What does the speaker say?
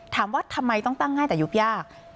ถามว่าทำไมต้องตั้งง่ายแต่ยุบยาก